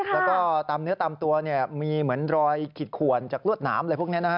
แล้วก็ตามเนื้อตามตัวมีเหมือนรอยขิดขวนจากรวดหนามอะไรพวกนี้นะฮะ